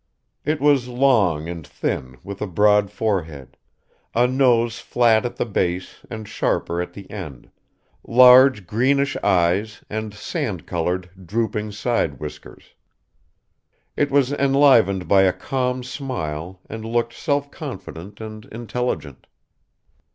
It was long and thin with a broad forehead, a nose flat at the base and sharper at the end, large greenish eyes and sand colored, drooping side whiskers; it was enlivened by a calm smile and looked self confident and intelligent.